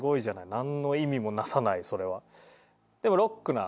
なんの意味もなさないそれは。